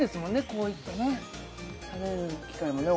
こういったね食べる機会もね